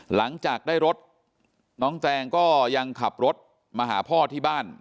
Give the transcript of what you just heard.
หลังจากได้รถน้องแตงก็ยังขับรถมาหาพ่อที่บ้าน